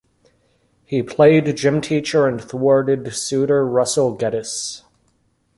He played gym teacher and thwarted suitor Russell Gettis.